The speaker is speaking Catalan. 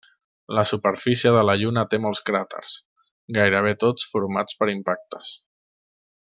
La superfície de la Lluna té molts cràters, gairebé tots formats per impactes.